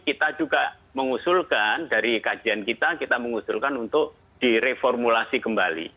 kita juga mengusulkan dari kajian kita kita mengusulkan untuk direformulasi kembali